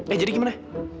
eh jadi gimana